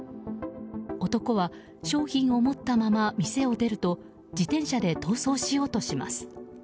男は商品を持ったまま店を出ると自転車で逃走しようとします。